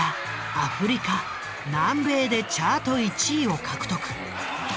アフリカ南米でチャート１位を獲得。